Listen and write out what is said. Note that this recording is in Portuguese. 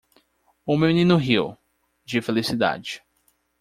O menino riu - de felicidade.